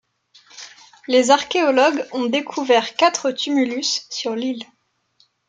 Les archéologues ont découvert quatre tumulus sur l'île.